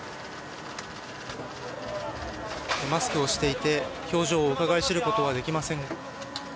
マスクをしていて表情をうかがい知ることはできません。